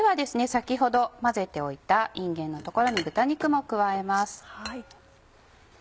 先ほど混ぜておいたいんげんのところに豚肉も加えます。